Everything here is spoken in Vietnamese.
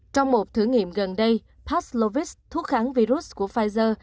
trong một thử nghiệm gần đây paslovis thuốc kháng virus của pfizer